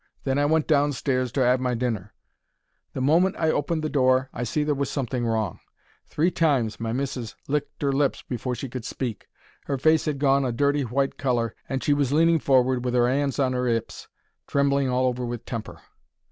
Then I went downstairs to 'ave my dinner. The moment I opened the door I see there was something wrong. Three times my missis licked 'er lips afore she could speak. Her face 'ad gone a dirty white colour, and she was leaning forward with her 'ands on her 'ips, trembling all over with temper.